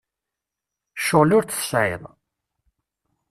Ccɣel ur t-tesεiḍ?